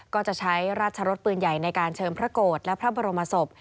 ก็จะใช้ราชรสปืนใหญ่ในการเชิมพระโกรธและพระบรมศพ